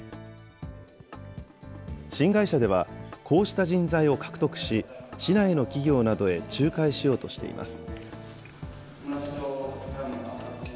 新会社では、こうした人材を獲得し、市内の企業などへ仲介しようとしています。